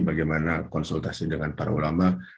bagaimana konsultasi dengan para ulama